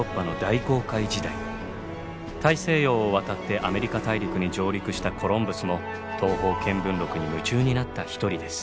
大西洋を渡ってアメリカ大陸に上陸したコロンブスも「東方見聞録」に夢中になった一人です。